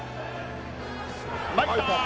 参った。